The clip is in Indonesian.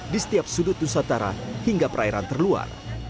di setiap sudut nusantara hingga perairan terluar